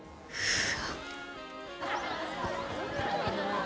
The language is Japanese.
うわ！